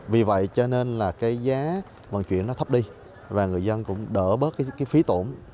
vì vậy cho nên là cái giá vận chuyển nó thấp đi và người dân cũng đỡ bớt cái phí tổn